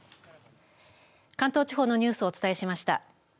関東地方のニュースをお伝えしました。